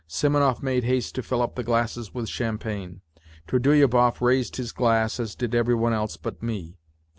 Simonov made haste to fill up the glasses with champagne. Trudolyubov raised his glass, as did every one else but me.